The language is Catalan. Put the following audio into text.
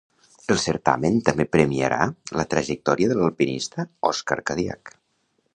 El certamen també premiarà la trajectòria de l'alpinista Òscar Cadiach.